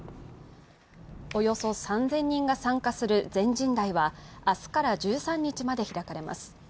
およそ３０００人が参加する全人代は明日から１３日まで開かれます。